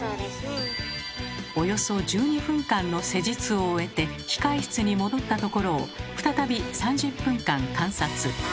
およそ１２分間の施術を終えて控え室に戻ったところを再び３０分間観察。